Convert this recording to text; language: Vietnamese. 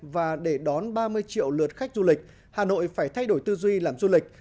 và để đón ba mươi triệu lượt khách du lịch hà nội phải thay đổi tư duy làm du lịch